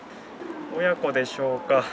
親子でしょうか。